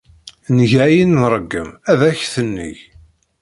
Nga ayen ay nṛeggem ad ak-t-neg.